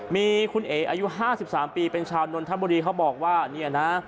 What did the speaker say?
มีคุณเอ๋อายุห้าสิบสามปีเป็นชาวนนทรัพย์บุรีเขาบอกว่าเนี่ยนะ